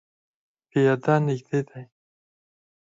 پیاده نږدې دی